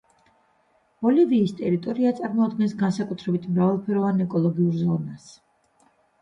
ბოლივიის ტერიტორია წარმოადგენს განსაკუთრებით მრავალფეროვან ეკოლოგიურ ზონას.